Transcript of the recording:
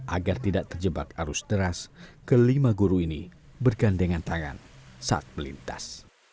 agar tidak terjebak arus deras kelima guru ini bergandengan tangan saat melintas